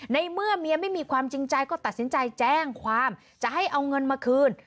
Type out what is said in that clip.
ในเมื่อเมียไม่มีความจริงใจก็ตัดสินใจแจ้งความจะให้เอาเงินมาคืน